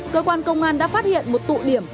cơ quan công an đã phát hiện một tụ điểm